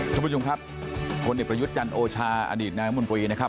ท่านผู้ชมครับทนเอกประยุทธจรโอชาอดีตงานขมนตรีนะครับ